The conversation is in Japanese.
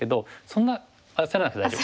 そんな焦らなくて大丈夫。